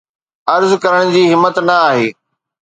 عرض ڪرڻ جي همت نه آهي